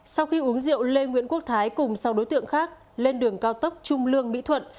sau khi uống rượu lê nguyễn quốc thái cùng sau đối tượng khác lên đường cao tốc trung lương mỹ thuận